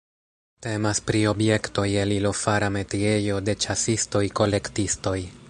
Temas pri objektoj el ilo-fara metiejo de ĉasistoj-kolektistoj.